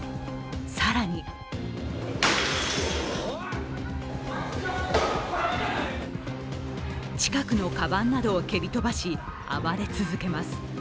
更に近くのかばんなどを蹴り飛ばし暴れ続けます。